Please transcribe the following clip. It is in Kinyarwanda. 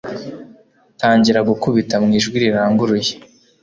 tangira gukubita mu ijwi riranguruye